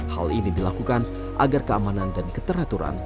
hal ini dilakukan agar keamanan dan keteraturan